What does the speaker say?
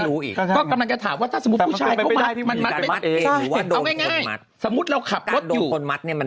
แล้วทำไมลงมัดสภาพอย่างนั้น